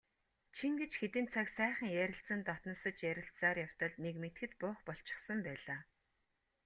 Чингэж хэдэн цаг сайхан ярилцан дотносож ярилцсаар явтал нэг мэдэхэд буух болчихсон байлаа.